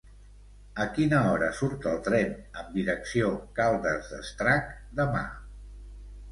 A quina hora surt el tren amb direcció Caldes d'Estrac demà?